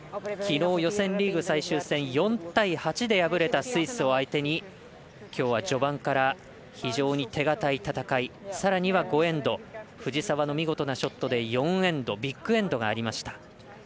きのう予選リーグ最終戦４対８で敗れたスイスを相手にきょうは序盤から非常に手堅い戦いさらには５エンド、藤澤の見事なショットで４エンドビッグエンドがありました。